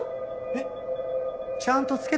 えっ？